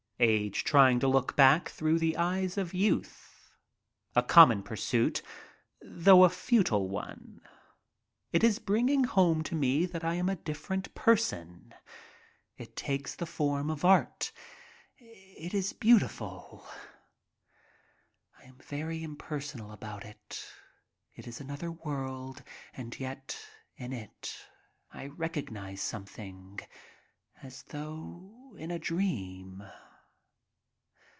Age trying to look back through the eyes of youth. A common pursuit, though a futile one. It is bringing home to me that I am a different person. It takes the form of art; it is beautiful. I am very imper sonal about it. It is another world, and yet in it I recognize something, as though in a dream.